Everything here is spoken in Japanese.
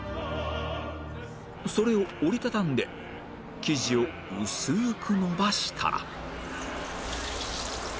それを折り畳んで生地を薄く延ばしたら